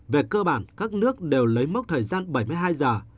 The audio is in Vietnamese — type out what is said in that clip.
về cơ bản các nước đều lấy mốc thời gian bảy mươi hai giờ